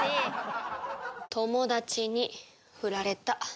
「友達に振られた」